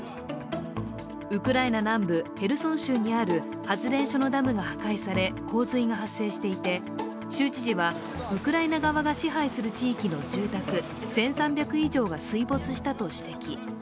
ウクライナ南部ヘルソン州にある発電所のダムが破壊され、洪水が発生していて、州知事はウクライナ側が支配する地域の住宅１３００以上が水没したと指摘。